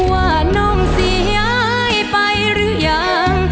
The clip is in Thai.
ว่านมสีหายไปหรือยัง